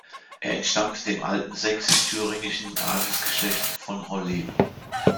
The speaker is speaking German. Er entstammte dem alten sächsisch-thüringischen Adelsgeschlecht von Holleben.